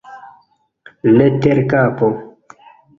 Leterkapo.